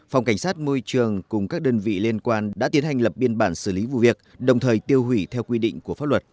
phòng cảnh sát môi trường cùng các đơn vị liên quan đã tiến hành lập biên bản xử lý vụ việc đồng thời tiêu hủy theo quy định của pháp luật